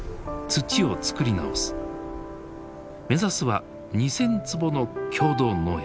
目指すは２，０００坪の共同農園。